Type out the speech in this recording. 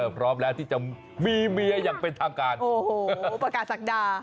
พร้อมแล้วที่จะมีเมียอย่างเป็นทางการโอ้โหประกาศศักดา